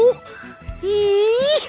ih udah pedek gelo